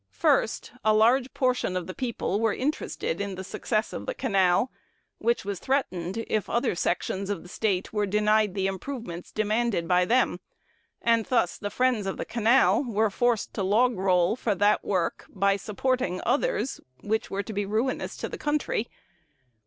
"First, a large portion of the people were interested in the success of the canal, which was threatened, if other sections of the State were denied the improvements demanded by them; and thus the friends of the canal were forced to log roll for that work by supporting others which were to be ruinous to the country.